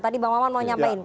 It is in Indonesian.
tadi bang maman mau nyampein